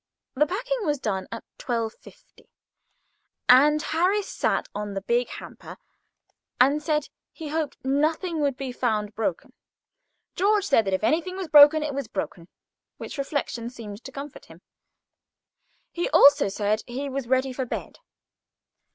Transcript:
The packing was done at 12.50; and Harris sat on the big hamper, and said he hoped nothing would be found broken. George said that if anything was broken it was broken, which reflection seemed to comfort him. He also said he was ready for bed.